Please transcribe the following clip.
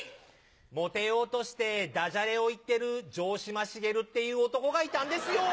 モテようとしてダジャレを言ってる城島茂っていう男がいたんですよ。